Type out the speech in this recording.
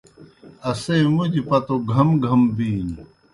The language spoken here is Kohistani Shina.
اسے مُدیْ پتو گھم گھم بِینیْ۔